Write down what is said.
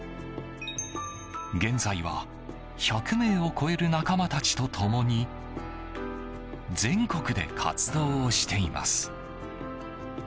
現在は１００名を超える仲間たちと共に全国で活動をしています。